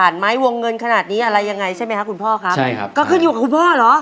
ร้อนเงินอยู่พอดีเลยพ่อ